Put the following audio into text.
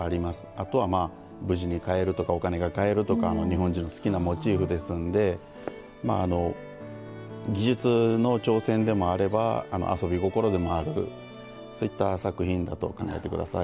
あとは無事に帰るとかお金がかえるとか日本人の好きなモチーフですので技術の挑戦でもあれば遊び心でもあるそういった作品だと考えてください。